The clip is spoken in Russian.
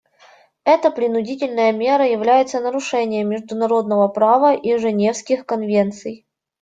Эта принудительная мера является нарушением международного права и Женевских конвенций.